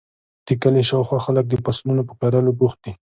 د کلي شااوخوا خلک د فصلونو په کرلو بوخت دي.